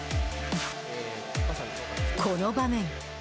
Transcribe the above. この場面。